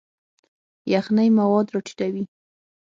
یخنۍ مواد راټیټوي.